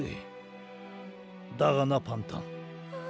だがなパンタン。